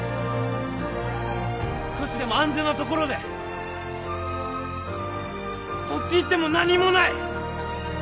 少しでも安全なところでそっち行っても何もない！